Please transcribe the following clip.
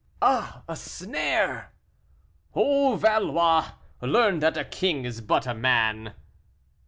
"Ah! a snare!" "Oh, Valois, learn that a king is but a man."